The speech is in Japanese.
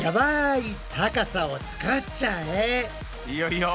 いいよいいよ。